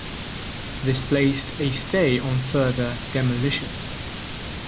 This placed a stay on further demolition.